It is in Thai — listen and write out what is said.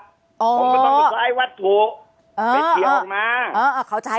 ผมก็ต้องซ้ายวัดถูกไปเกี่ยวออกมา